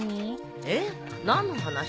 えっ何の話？